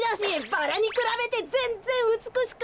バラにくらべてぜんぜんうつくしく。